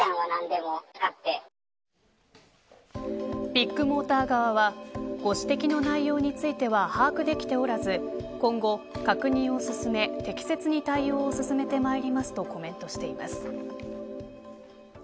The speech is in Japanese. ビッグモーター側はご指摘の内容については把握できておらず今後確認を進め適切に対応を進めてまいりますとコメントしています。